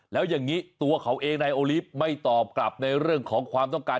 แล้วอย่างนี้ตัวเขาเองนายโอลิฟต์ไม่ตอบกลับในเรื่องของความต้องการ